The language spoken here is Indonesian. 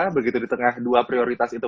begitu di tengah dua prioritas itu